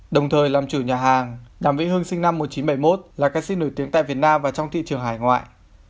đồng thời làm chủ nhà hàng đàm vĩ hưng sinh năm một nghìn chín trăm bảy mươi một là ca sĩ nổi tiếng tại việt nam và trong thị trường hải ngoại